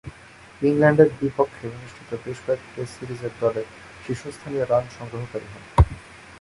ইংল্যান্ডের বিপক্ষে অনুষ্ঠিত বেশ কয়েকটি টেস্ট সিরিজে দলের শীর্ষস্থানীয় রান সংগ্রহকারী হন।